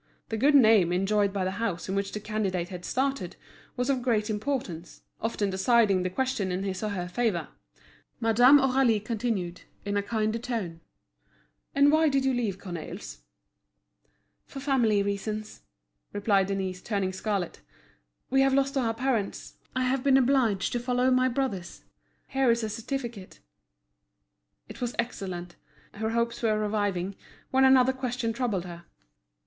The good name enjoyed by the house in which the candidate had started was of great importance, often deciding the question in his or her favour. Madame Aurélie continued, in a kinder tone: "And why did you leave Cornaille's?" "For family reasons," replied Denise, turning scarlet. "We have lost our parents, I have been obliged to follow my brothers. Here is a certificate." It was excellent. Her hopes were reviving, when another question troubled her.